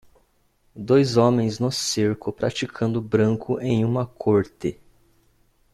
Dois homens no cerco praticando branco em uma corte.